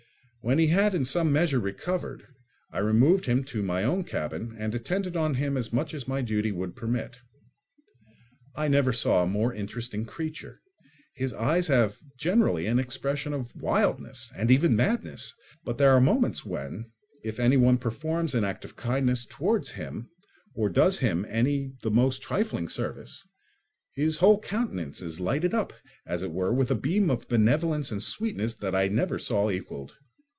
When he had in some measure recovered, I removed him to my own cabin and attended on him as much as my duty would permit. I never saw a more interesting creature: his eyes have generally an expression of wildness, and even madness, but there are moments when, if anyone performs an act of kindness towards him or does him any the most trifling service, his whole countenance is lighted up, as it were, with a beam of benevolence and sweetness that I never saw equalled.